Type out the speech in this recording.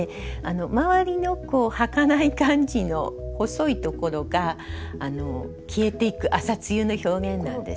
周りの儚い感じの細いところが消えていく朝露の表現なんですけれども。